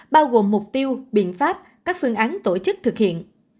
bao gồm mục tiêu biện pháp các phương án tổ chức thực hiện